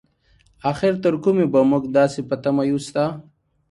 اخر تر کومې به مونږ داسې په تمه يو ستا؟